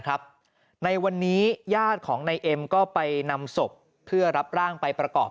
ในวันนี้ญาติของนายเอ็มก็ไปนำศพเพื่อรับร่างไปประกอบ